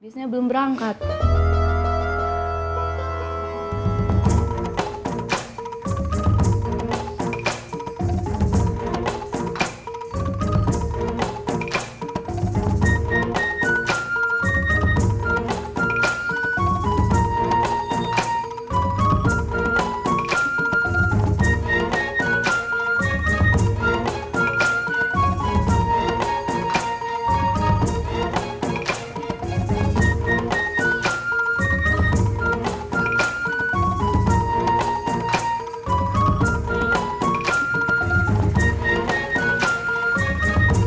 sebenarnya belum berangkat